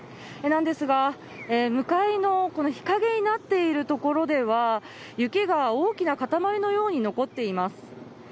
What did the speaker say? なんですが、向かいの日陰になっている所では雪が大きな塊のように残っています。